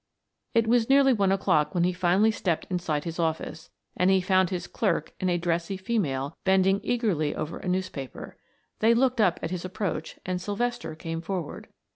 It was nearly one o'clock when he finally stepped inside his office, and he found his clerk and a dressy female bending eagerly over a newspaper. They looked up at his approach and Sylvester came forward.